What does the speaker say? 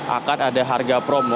akan ada harga promo